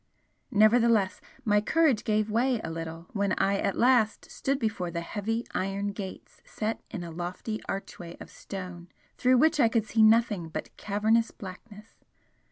Nevertheless, my courage gave way a little when I at last stood before the heavy iron gates set in a lofty archway of stone through which I could see nothing but cavernous blackness.